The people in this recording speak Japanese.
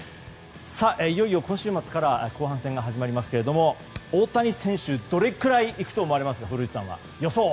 いよいよ今週末から後半戦が始まりますけど大谷選手、どれくらいいくと思いますか、古内さん。